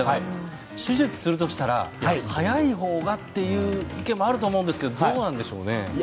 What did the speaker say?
手術するとしたら早いほうがっていう意見もあると思いますがどうなんでしょうね？